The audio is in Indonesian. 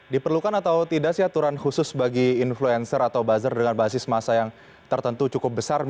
diperlukan atau tidak sih aturan khusus bagi influencer atau buzzer dengan basis masa yang tertentu cukup besar